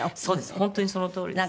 本当にそのとおりです。